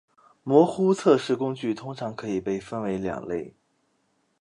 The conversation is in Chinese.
模糊测试工具通常可以被分为两类。